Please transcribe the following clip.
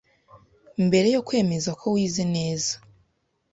Mbere yo kwemeza ko wize neza,